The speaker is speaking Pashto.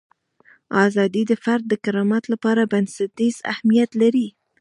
ازادي د فرد د کرامت لپاره بنسټیز اهمیت لري.